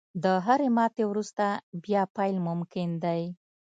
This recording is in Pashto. • د هرې ماتې وروسته، بیا پیل ممکن دی.